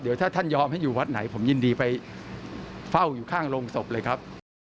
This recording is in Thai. เดี๋ยวถ้าท่านยอมให้อยู่วัดไหนผมยินดีไปเฝ้าอยู่ข้างโรงศพเลยครับ